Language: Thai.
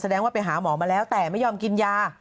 แสดงว่าไปหาหมอมาแล้วแต่ไม่ยอมกินยา